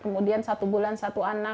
kemudian tiga bulan dua anak